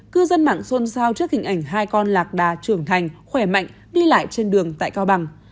cư dân mạng xôn xao trước hình ảnh hai con lạc đà trưởng thành khỏe mạnh đi lại trên đường tại cao bằng